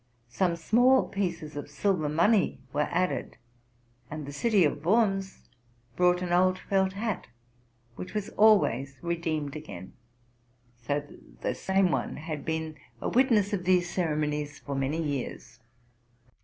Some small pieces of silver money were added: and the city of Worms brought an old felt hat, which was always redeemed again ; so that the same one had been a witness of these ceremonies for many years.